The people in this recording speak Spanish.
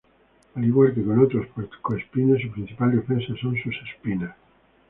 Al igual que con otros puercoespines, su principal defensa son sus espinas.